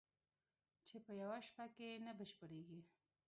چې په یوه شپه کې نه بشپړېږي